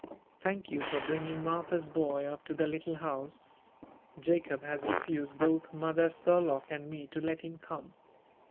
"Thank you for bringing Martha's boy up to the Little House. Jacob has refused both Mother Spurlock and me to let him come."